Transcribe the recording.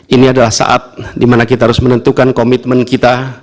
ini adalah saat dimana kita harus menentukan komitmen kita